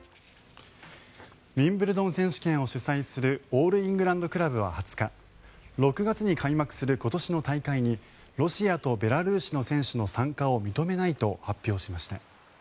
ウィンブルドン選手権を主催するオールイングランド・クラブは２０日６月に開幕する今年の大会にロシアとベラルーシの選手の参加を認めないと発表しました。